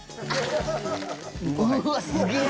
うわっ、すげえ！